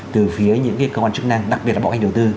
từ phía những cơ quan chức năng đặc biệt là bộ hành điều tư